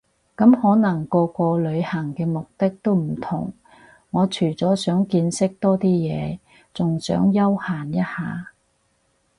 咁可能個個旅行嘅目的都唔同我除咗想見識多啲嘢，仲想休閒一下